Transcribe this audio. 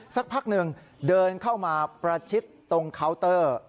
สักพักหนึ่งเดินเข้ามาประชิดตรงเคาน์เตอร์